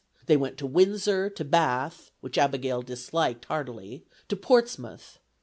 They went to Windsor, to Bath (which Abigail disliked heartily), to Portsmouth.